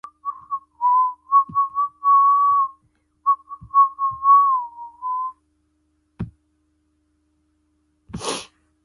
黑體明體標楷體